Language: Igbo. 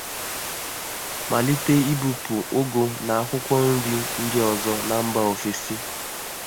màlite ibupu ụgụ na akwụkwọ nri ndị ọzọ na mba ofesi.